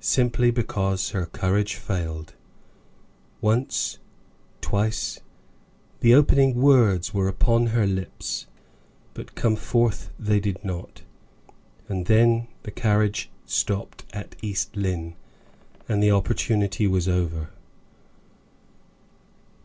Simply because her courage failed. Once, twice, the opening words were upon her lips, but come forth they did not; and then the carriage stopped at East Lynne, and the opportunity was over.